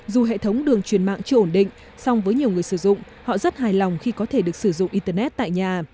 dù hệ thống đường truyền mạng chưa ổn định song với nhiều người sử dụng họ rất hài lòng khi có thể được sử dụng internet tại nhà